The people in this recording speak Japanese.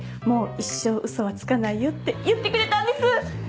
「もう一生ウソはつかないよ」って言ってくれたんです！